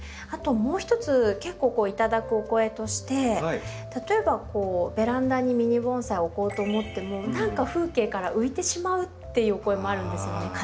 あともう一つ結構頂くお声として例えばこうベランダにミニ盆栽を置こうと思っても何か風景から浮いてしまうっていうお声もあるんですよね。